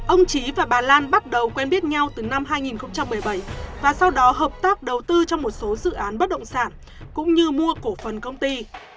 ông trí và bà lan bắt đầu quen biết nhau từ năm hai nghìn một mươi bảy và sau đó hợp tác đầu tư trong một số dự án bất động sản cũng như mua cổ phần công ty